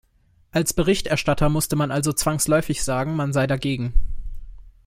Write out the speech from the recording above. Als Berichterstatter musste man also zwangsläufig sagen, man sei dagegen.